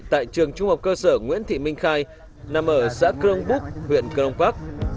tại trường trung học cơ sở nguyễn thị minh khai nằm ở xã cron book huyện cron park